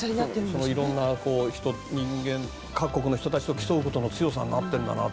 色んな人間、各国の人たちと競うことの強さになっているんだなって。